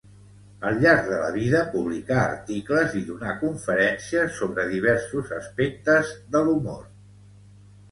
Al llarg de la vida publicà articles i donà conferències sobre diversos aspectes de l'humor.